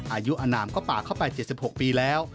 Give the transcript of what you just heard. อายุอนามก็ป่าเข้าไป๗๖ปีแล้ว